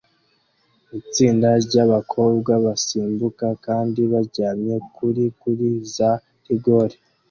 Itsinda ryabakobwa basimbuka kandi baryamye kuri kuri za rigore